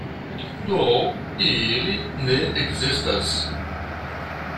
Do ili ne ekzistas.